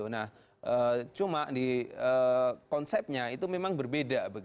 nah cuma di konsepnya itu memang berbeda